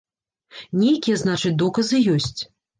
Нейкія, значыць, доказы ёсць.